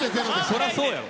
それはそうやろ。